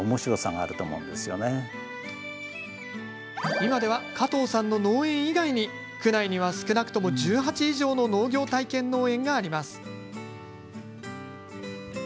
今では、加藤さんの農園以外に区内には少なくとも１８以上の農業体験農園があります。